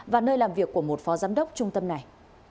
và nơi làm việc của một phó giám đốc trung tâm này